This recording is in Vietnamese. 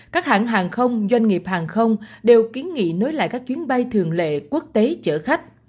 các hãng hàng không doanh nghiệp hàng không đều kiến nghị nối lại các chuyến bay thường lệ quốc tế chở khách